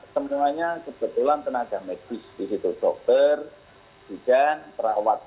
karena kebetulan tenaga medis disitu dokter dan perawat